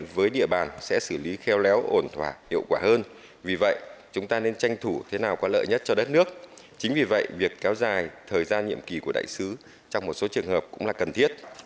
với địa bàn sẽ xử lý kheo léo ổn thỏa hiệu quả hơn vì vậy chúng ta nên tranh thủ thế nào có lợi nhất cho đất nước chính vì vậy việc kéo dài thời gian nhiệm kỳ của đại sứ trong một số trường hợp cũng là cần thiết